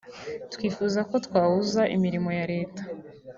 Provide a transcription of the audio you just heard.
Twifuza ko twahuza imirimo ya Leta